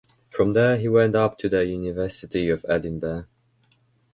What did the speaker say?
From there he went up to the University of Edinburgh.